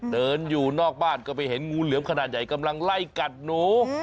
เดินอยู่นอกบ้านก็ไปเห็นงูเหลือมขนาดใหญ่กำลังไล่กัดหนู